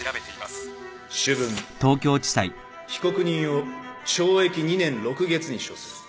主文被告人を懲役２年６月に処する。